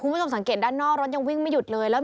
คุณผู้ชมสังเกตด้านนอกรถยังวิ่งไม่หยุดเลย